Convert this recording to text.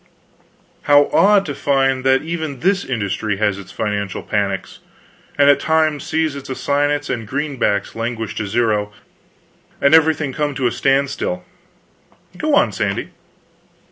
"How odd to find that even this industry has its financial panics, and at times sees its assignats and greenbacks languish to zero, and everything come to a standstill. Go on, Sandy."